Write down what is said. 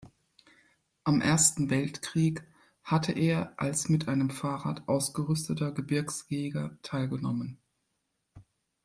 Am Ersten Weltkrieg hatte er als mit einem Fahrrad ausgerüsteter Gebirgsjäger teilgenommen.